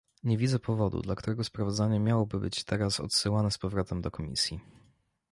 Nie widzę powodu, dla którego sprawozdanie miałoby być teraz odsyłane z powrotem do komisji